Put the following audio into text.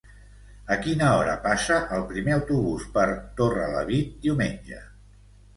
A quina hora passa el primer autobús per Torrelavit diumenge?